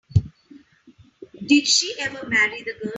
Did she ever marry the girl?